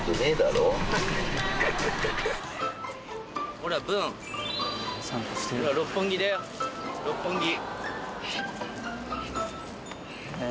ほら文六本木だよ六本木。